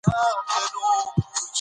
او هر لوټ يې د درباندې سور اور شي.